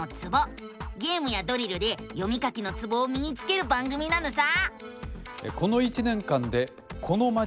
ゲームやドリルで読み書きのツボをみにつける番組なのさ！